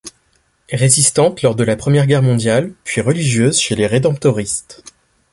Résistante lors de la Première Guerre mondiale puis religieuse chez les Rédemptoristes.